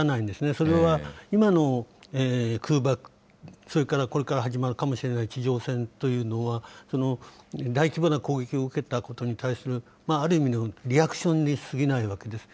それは今の空爆、それからこれから始まるかもしれない地上戦というのは、大規模な攻撃を受けたことに対する、ある意味のリアクションに過ぎないわけです。